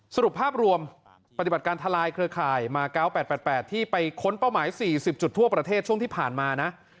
สรุปภาพรวมปฏิบัติการทลายเครือข่ายมา๙๘๘ที่ไปค้นเป้าหมาย๔๐จุดทั่วประเทศช่วงที่ผ่านมานะ